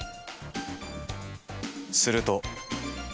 すると。